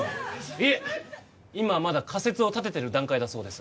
いえ今はまだ仮説を立ててる段階だそうです